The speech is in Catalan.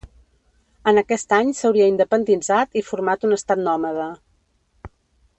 En aquest any s'hauria independitzat i format un estat nòmada.